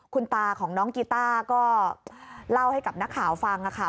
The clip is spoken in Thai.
คุณตาของน้องกีต้าก็เล่าให้กับนักข่าวฟังค่ะ